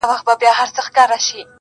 خو بڼه يې بدله سوې ده،